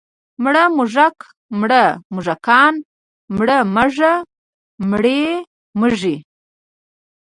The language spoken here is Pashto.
مړ موږک، مړه موږکان، مړه مږه، مړې مږې.